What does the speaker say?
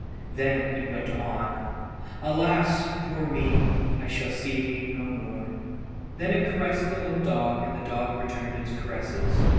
Then it went on "Alas! poor me! I shall see thee no more." Then it caressed the little dog, and the dog returned its caresses.